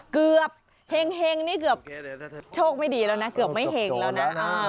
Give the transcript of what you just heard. เกือบเห็งนี่เกือบโชคไม่ดีแล้วนะเกือบไม่เห็งแล้วนะ